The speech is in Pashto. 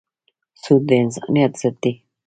سود د انسانیت ضد دی.